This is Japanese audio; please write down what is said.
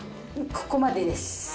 ここまでです。